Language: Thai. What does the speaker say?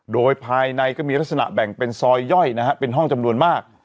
โดยภายในก็มีลักษณะแบ่งเป็นซอยย่อยนะฮะเป็นห้องจำนวนมาก